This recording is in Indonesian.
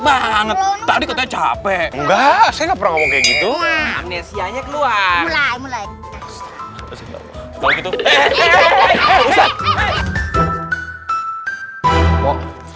banget tadi kecapek enggak saya pernah begitu amnesianya keluar mulai mulai kalau gitu